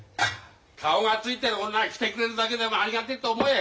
顔がついてる女が来てくれるだけでもありがてえと思え！